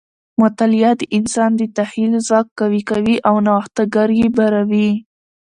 مطالعه د انسان د تخیل ځواک قوي کوي او نوښتګر یې باروي.